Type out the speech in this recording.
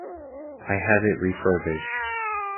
I had it refurbished.